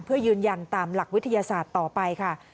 เพื่อยืนยันตามหลักวิทยาศาสตร์ต่อไปค่ะ